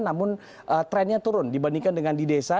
namun trennya turun dibandingkan dengan di desa